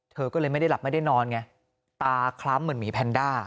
เธอก็เลยไม่ได้หลับไม่ได้นอนไงตาคล้ำเหมือนหมีแพนด้า